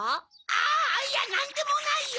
あいやなんでもないよ！